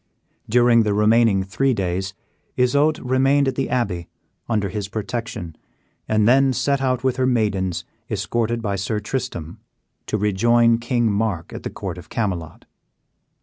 During the remaining three days, Isoude remained at the abbey, under his protection, and then set out with her maidens, escorted by Sir Tristram, to rejoin King Mark at the court of Camelot.